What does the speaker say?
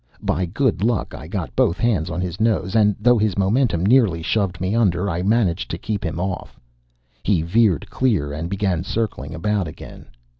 By good luck I got both hands on his nose, and, though his momentum nearly shoved me under, I managed to keep him off. He veered clear, and began circling about again.